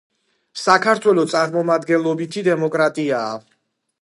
საქართველო წარმომადგენლობითი დემოკრატიაა,